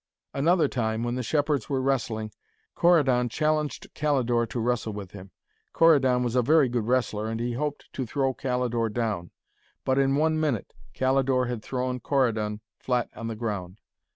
Another time, when the shepherds were wrestling, Corydon challenged Calidore to wrestle with him. Corydon was a very good wrestler, and he hoped to throw Calidore down. But in one minute Calidore had thrown Corydon flat on the ground.